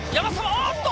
あっと！